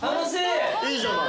いいじゃない。